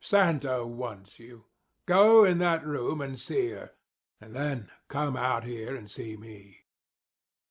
Santa wants you. Go in that room and see her. And then come out here and see me.